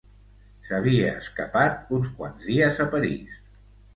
S’havia escapat uns quants dies a París.